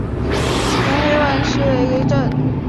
纽黑文是英国东萨塞克斯郡的一个镇。